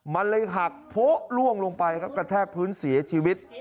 มันเลยหักโพะล่วงลงไปครับกระแทกพื้นเสียชีวิต